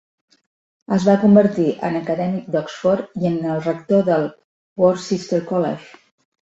Es va convertir en acadèmic d'Oxford i en el rector del Worcester College.